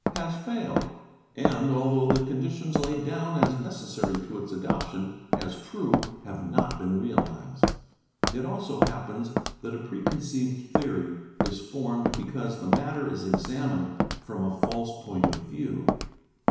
has failed, and although the conditions laid down as necessary to its adoption as true have not been realised. | It also often happens that a preconceived theory is formed, because | the matter is examined from a false point of view.